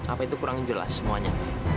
apa itu kurang jelas semuanya